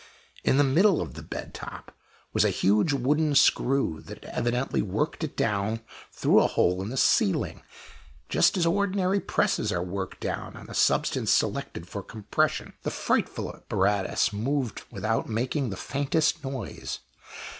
In the middle of the bed top was a huge wooden screw that had evidently worked it down through a hole in the ceiling, just as ordinary presses are worked down on the substance selected for compression. The frightful apparatus moved without making the faintest noise.